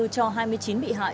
cho hai mươi chín bị hạ